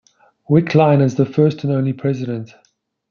Wickline as the first and only president.